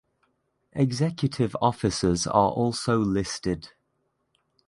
Executive officers are also listed.